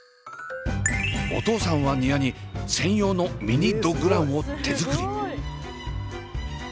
お父さんは庭に専用のミニドッグランを手作り。